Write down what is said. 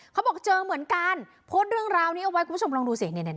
เขาบอกเจอเหมือนกันโพสต์เรื่องราวนี้เอาไว้คุณผู้ชมลองดูสิ